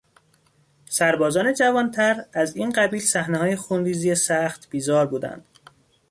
سربازان جوانتر از این قبیل صحنههای خونریزی سخت بیزار بودند.